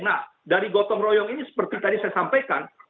nah dari gotong royong ini seperti tadi saya sampaikan